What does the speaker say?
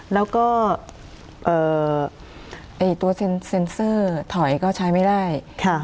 แล้วก็ตัวเซ็นเซอร์ถอยก็ใช้ไม่ได้